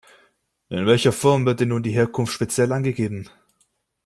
In welcher Form wird denn nun die Herkunft speziell angegeben?